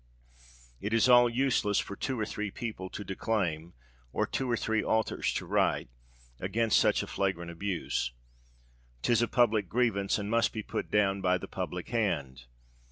It is all useless for two or three people to declaim, or two or three authors to write, against such a flagrant abuse. 'Tis a public grievance, and must be put down by the public hand!